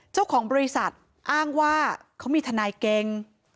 เจ้าของบริษัทอ้างว่าเขามีทนายเก่ง